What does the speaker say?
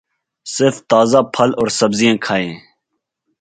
صرف تازہ پھل اور سبزیاں کھائیے